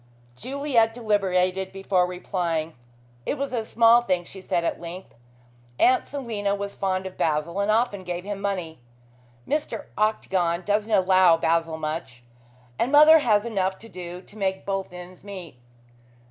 Juliet deliberated before replying. "It was a small thing," she said at length. "Aunt Selina was fond of Basil and often gave him money. Mr. Octagon doesn't allow Basil much, and mother has enough to do to make both ends meet.